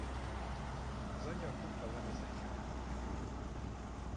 Az anyag dupla lemezen jelent meg.